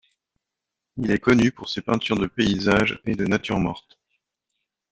Il est connu pour ses peintures de paysages et de natures mortes.